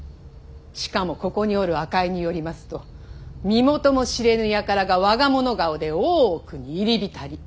しかもここにおる赤井によりますと身元も知れぬ輩が我が物顔で大奥に入り浸り。